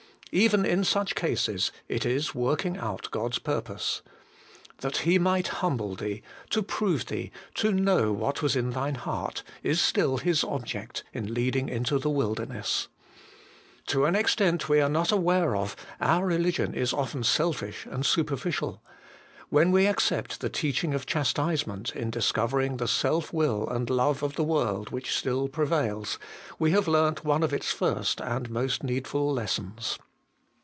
Even in such cases it is working out God's purpose. ' That He might humble thee, to prove thee, to know what was in thine heart,' is still His object in leading into the wilderness. To an extent we are not aware of, our religion is often selfish and superficial : when we accept the teaching of chastisement in discover ing the self will and love of the world which still prevails, we have learnt one of its first and most needful lessons.